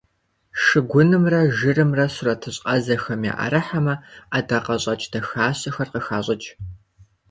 Шыгунымрэ жырымрэ сурэтыщӀ Ӏэзэхэм яӀэрыхьэмэ, ӀэдакъэщӀэкӀ дахащэхэр къыхащӀыкӀ.